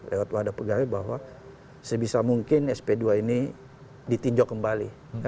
lewat wadah pegawai bahwa sebisa mungkin sp dua ini ditinjau kembali